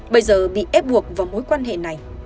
bây giờ bị ép buộc vào mối quan hệ này